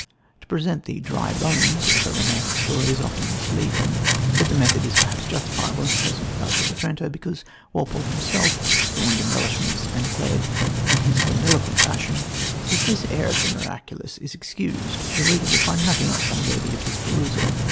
To present the "dry bones" of a romantic story is often misleading, but the method is perhaps justifiable in the case of The Castle of Otranto, because Walpole himself scorned embellishments and declared in his grandiloquent fashion: "If this air of the miraculous is excused, the reader will find nothing else unworthy of his perusal.